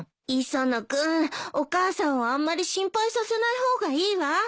磯野君お母さんをあんまり心配させない方がいいわ。